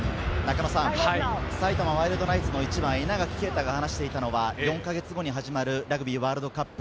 埼玉ワイルドナイツの１番・稲垣啓太が話していたのは４か月後に始まるラグビーワールドカップ。